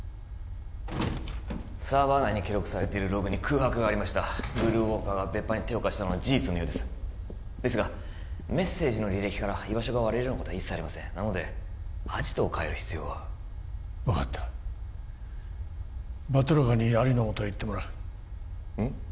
サーバー内に記録されているログに空白がありましたブルーウォーカーが別班に手を貸したのは事実のようですですがメッセージの履歴から居場所が割れるようなことは一切ありませんなのでアジトを変える必要は分かったバトラカにアリのもとへ行ってもらううん？